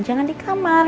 jangan di kamar